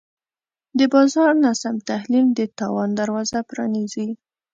د بازار ناسم تحلیل د تاوان دروازه پرانیزي.